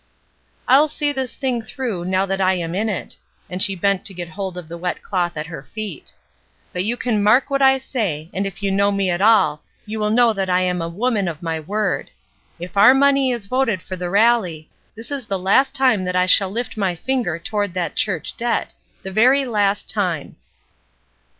"I'll see this thing through, now that I am in it," and she bent to get hold of the wet cloth at her feet; "but you can mark what I say, and if you know me at all, you know that I am a woman of my word : if our money is voted for the Rally, this is the last time that I shall Uft my finger toward that church debt — the very last time."